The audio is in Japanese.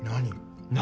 何？